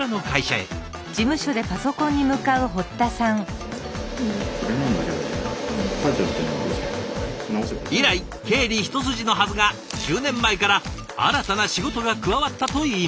以来経理一筋のはずが１０年前から新たな仕事が加わったといいます。